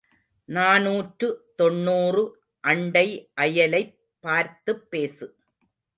நாநூற்று தொன்னூறு அண்டை அயலைப் பார்த்துப் பேசு.